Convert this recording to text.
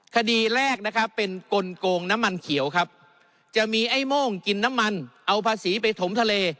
คดีแรกนะครับเป็นกลงน้ำมันเขียวครับจะมีไอ้โม่งกินน้ำมันเอาภาษีไปถมทะเล